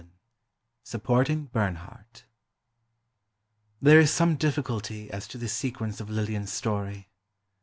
XI "SUPPORTING BERNHARDT" There is some difficulty as to the sequence of Lillian's story.